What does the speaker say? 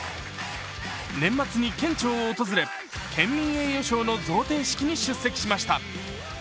年末に県庁を訪れ県民栄誉賞の贈呈式に出席しました。